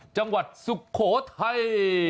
จังหวัดสุโขทัย